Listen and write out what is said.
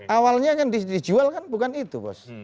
awalnya kan dijual bukan itu bos